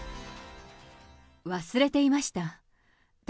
忘れていました。